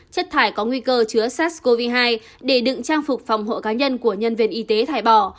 chất thải có nguy cơ chứa sars cov hai để đựng trang phục phòng hộ cá nhân của nhân viên y tế thải bỏ